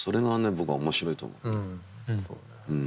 僕は面白いと思って。